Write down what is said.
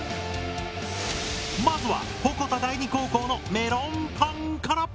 まずは鉾田第二高校のメロンパンから！